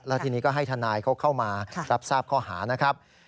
แล้วทีนี้ก็ให้ทนายเขาเข้ามารับทราบข้อหานะครับ